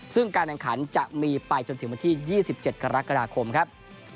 ซึ่งการแข่งขันจะมีไปจนถึงวันที่๒๗กรกฎาคมครับ